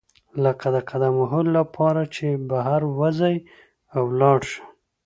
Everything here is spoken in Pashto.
لکه د قدم وهلو لپاره چې بهر وزئ او لاړ شئ.